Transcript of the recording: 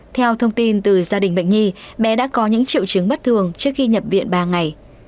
theo thông tin từ gia đình bệnh nhi bé đã có những triệu chứng bất thường trước khi nhập viện ba ngày